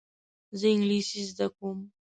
زه انګلیسي زده کوم.